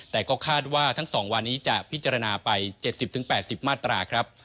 แต่ก็คาดว่าทั้ง๒วันนี้จะพิจารณาไป๗๐๘๐มาตราครับ